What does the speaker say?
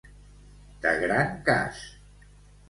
De gran cas.